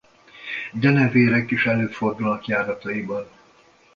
Denevérek is előfordulnak járataiban.